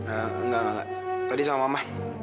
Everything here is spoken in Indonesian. enggak tadi sama mama